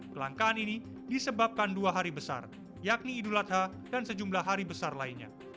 kelangkaan ini disebabkan dua hari besar yakni idul adha dan sejumlah hari besar lainnya